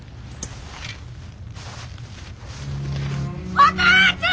お父ちゃん！